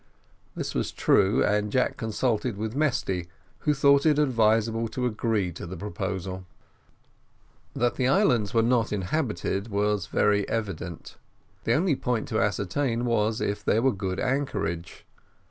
This was true; and Jack consulted with Mesty, who thought it advisable to agree to the proposal. That the islands were not inhabited was very evident. The only point to ascertain was if there were good anchorage.